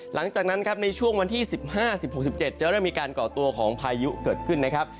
หลังจากนั้นครับในช่วงวันที่๑๕๑๖๑๗จะเริ่มมีการก่อตัวของพายุเกิดขึ้นนะครับ